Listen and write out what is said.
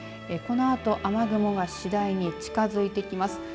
このあと雨雲が次第に近づいてきます。